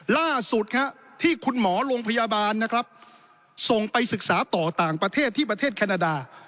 ล่าสุดที่คุณหมอโรงพยาบาลนะครับส่งไปศึกษาต่อต่างประเทศที่ประเทศแคนาดา